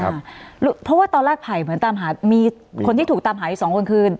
เพราะว่าตอนแรกไผ่เหมือนตามหามีคนที่ถูกตามหาอีกสองคนคืน